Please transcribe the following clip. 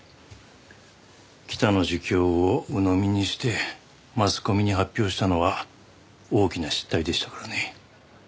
北の自供を鵜呑みにしてマスコミに発表したのは大きな失態でしたからね。